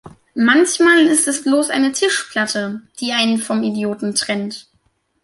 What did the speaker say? Manchmal ist es bloß eine Tischplatte, die einen vom Idioten trennt.